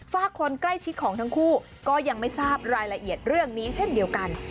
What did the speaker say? ฝากคนใกล้ชิดของทั้งคู่ก็ยังไม่ทราบรายละเอียดเรื่องนี้เช่นเดียวกัน